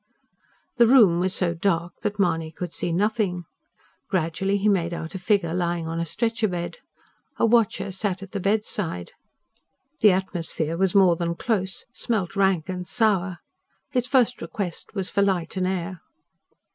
The room was so dark that Mahony could see nothing. Gradually he made out a figure lying on a stretcher bed. A watcher sat at the bedside. The atmosphere was more than close, smelt rank and sour. His first request was for light and air.